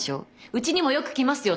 うちにもよく来ますよ。